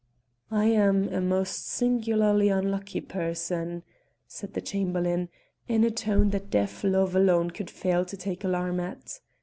"I'm a most singularly unlucky person," said the Chamberlain, in a tone that deaf love alone could fail to take alarm at.